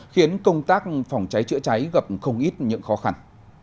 khiến công tác phòng cháy chữa cháy gặp không ít những khó khăn